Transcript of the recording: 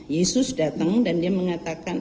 yesus datang dan dia mengatakan